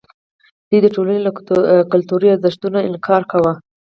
دوی د ټولنې له کلتوري ارزښتونو انکار کاوه.